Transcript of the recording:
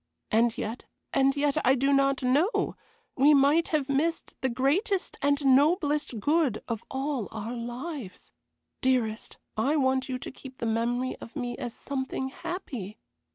And yet, and yet, I do not know, we might have missed the greatest and noblest good of all our lives. Dearest, I want you to keep the memory of me as something happy.